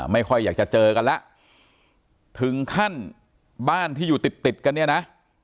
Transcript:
ไม่ค่อยอยากจะเจอกันแล้วถึงขั้นบ้านที่อยู่ติดติดกันเนี่ยนะ